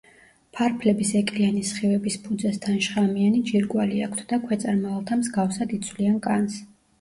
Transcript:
ფარფლების ეკლიანი სხივების ფუძესთან შხამიანი ჯირკვალი აქვთ და ქვეწარმავალთა მსგავსად იცვლიან კანს.